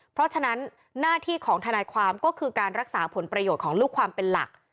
เพราะฉะนั้นหน้าที่ของทนายความก็คือการรักษาผลประโยชน์ของลูกความเป็นหลัก